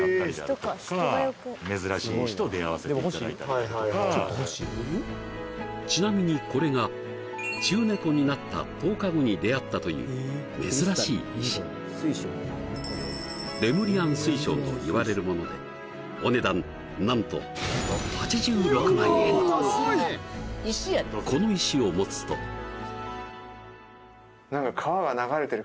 見るからにちなみにこれが中猫になった１０日後に出会ったという珍しい石レムリアン水晶といわれるものでお値段なんとこの石を持つとおお！